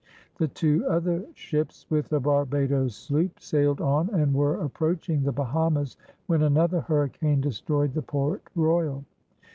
The two other ships, with a Barbados sloop, sailed on and were approaching the Bahamas when another hurricane destroyed the Port Royal.